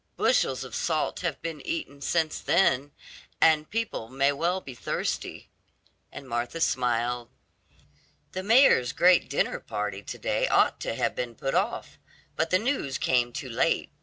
Bushels of salt have been eaten since then, and people may well be thirsty," and Martha smiled. "The mayor's great dinner party to day ought to have been put off, but the news came too late.